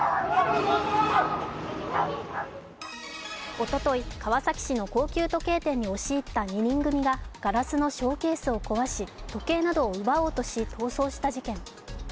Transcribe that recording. おととい、川崎市の高級時計店に押し入った２人組がガラスのショーケースなどを壊し時計を奪おうとし逃走した事件。